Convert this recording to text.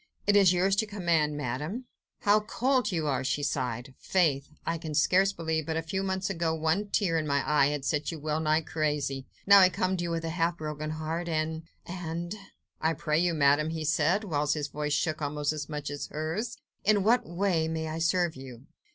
"It is yours to command, Madame." "How cold you are!" she sighed. "Faith! I can scarce believe that but a few months ago one tear in my eye had set you well nigh crazy. Now I come to you ... with a half broken heart ... and ... and ..." "I pray you, Madame," he said, whilst his voice shook almost as much as hers, "in what way can I serve you?"